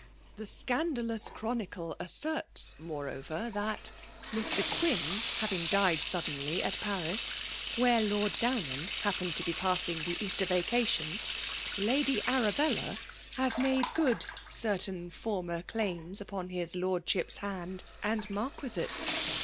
The seandalana Ghi» nicle asserts, moreover^ that (Mr. Quin having died suddenly at Paris* where Lord Downhsm happened to be passing the Easter vaeatiott,) Ijidy Arabella has made good certain fiamer daivis upon his Lord^hip^s bftnd and Mar quisate.